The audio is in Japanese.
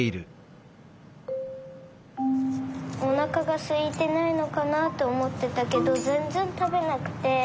おなかがすいてないのかなとおもってたけどぜんぜんたべなくて。